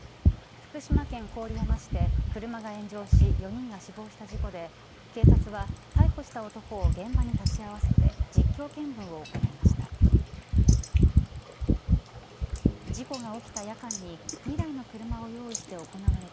福島県郡山市で車が炎上し４人が死亡した事故で警察は逮捕した男を現場に立ち会わせて実況見分を行いました。